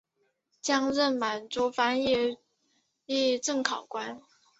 并任满洲翻译正考官。